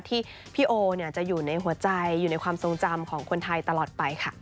ที่พี่โอจะอยู่ในหัวใจอยู่ในความทรงจำของคนไทยตลอดไปค่ะ